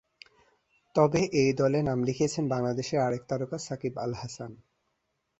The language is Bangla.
তবে এই দলে নাম লিখিয়েছেন বাংলাদেশের আরেক তারকা সাকিব আল হাসান।